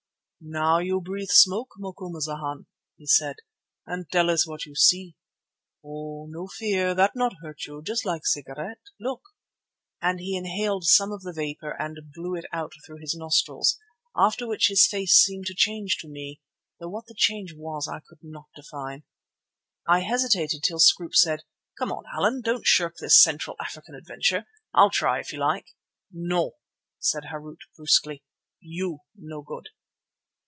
"Now you breathe smoke, Macumazana," he said, "and tell us what you see. Oh! no fear, that not hurt you. Just like cigarette. Look," and he inhaled some of the vapour and blew it out through his nostrils, after which his face seemed to change to me, though what the change was I could not define. I hesitated till Scroope said: "Come, Allan, don't shirk this Central African adventure. I'll try if you like." "No," said Harût brusquely, "you no good."